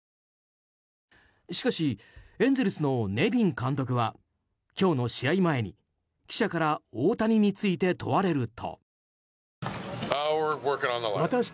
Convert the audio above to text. しかしエンゼルスのネビン監督は今日の試合前に記者から大谷について問われると。